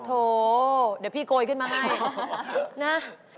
โถเดี๋ยวพี่โกยขึ้นมาให้นะ